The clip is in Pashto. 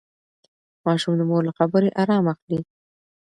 ماشوم د مور له خبرې ارام اخلي.